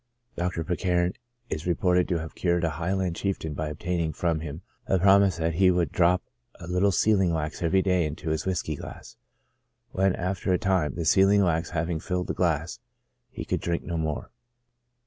Dr. Pitcairn is reported to have cured a Highland chieftain by obtaining from him a promise that he would drop a little sealing wax every day into his whiskey glass, when after a time, the seal ing wax having filled the glass, he could drink no more.